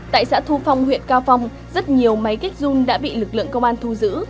tại xã thu phong huyện cao phong rất nhiều máy kích run đã bị lực lượng công an thu giữ